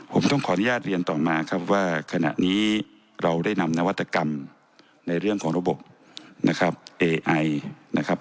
ผมต้องขออนุญาตเรียนต่อมาว่าขณะนี้เราได้นำนวัตกรรมในเรื่องของระบบ